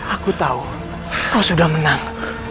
aku tahu kau sudah menang